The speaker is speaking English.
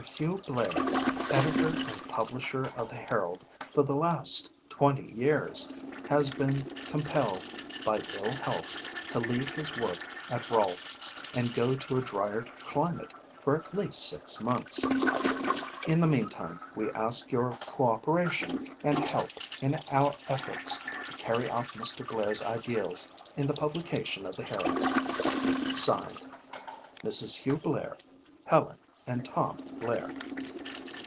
Hugh Blair, editor and publisher of the Herald for the last twenty years, has been compelled, by ill health, to leave his work at Rolfe and go to a drier climate for at least six months. In the meantime, we ask your cooperation and help in our efforts to carry out Mr. Blair's ideals in the publication of the Herald. Signed, Mrs. Hugh Blair, Helen and Tom Blair."